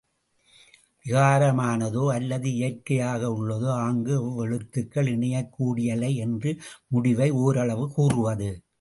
விகாரமானதோ அல்லது இயற்கையாக உள்ளதோ ஆங்கு எவ்வெவ்வெழுத்துகள் இணையக் கூடியலை என்ற முடிவை ஓரளவு கூறுவது.